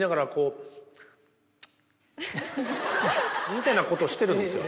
みたいなことをしてるんですよ。